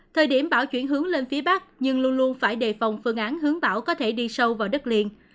thời điểm bão chuyển hướng lên phía bắc nhưng luôn luôn phải đề phòng phương án hướng bão có thể đi sâu vào đất liền